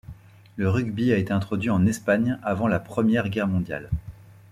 Le rugby a été introduit en Espagne avant la Première Guerre mondiale.